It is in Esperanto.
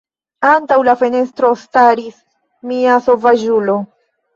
Antaŭ la fenestro staris mia sovaĝulo.